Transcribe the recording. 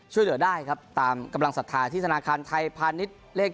ช่วยเหลือได้ครับตามกำลังสัทธาธิษฎาคันไทยพานิชเลข